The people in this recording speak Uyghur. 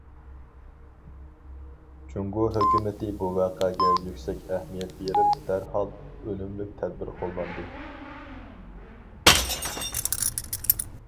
جۇڭگو ھۆكۈمىتى بۇ ۋەقەگە يۈكسەك ئەھمىيەت بېرىپ، دەرھال ئۈنۈملۈك تەدبىر قوللاندى.